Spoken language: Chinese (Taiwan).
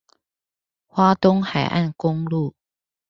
花東海岸公路